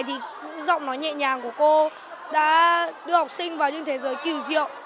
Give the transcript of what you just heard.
thì giọng nói nhẹ nhàng của cô đã đưa học sinh vào những thế giới kỳ diệu